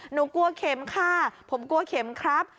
หนูกลัวเข็มค่ะผมกลัวเข็มครับ